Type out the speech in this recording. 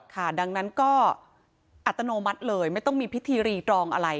ค่ะดังนั้นก็อัตโนมัติเลยไม่ต้องมีพิธีรีตรองอะไร